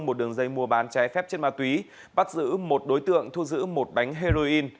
một đường dây mua bán trái phép trên ma túy